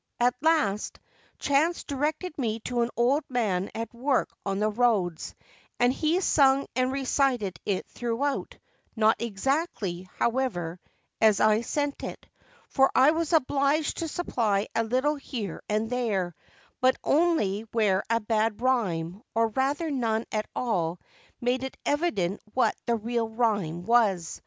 At last, chance directed me to an old man at work on the roads, and he sung and recited it throughout, not exactly, however, as I send it, for I was obliged to supply a little here and there, but only where a bad rhyme, or rather none at all, made it evident what the real rhyme was.